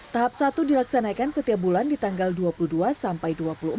tahap satu dilaksanakan setiap bulan di tanggal dua puluh dua sampai dua puluh empat